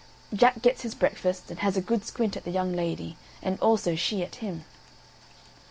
Jack gets his breakfast, and has a good squint at the young lady, and also she at him.